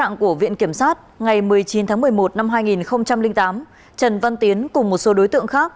trạng của viện kiểm sát ngày một mươi chín tháng một mươi một năm hai nghìn tám trần văn tiến cùng một số đối tượng khác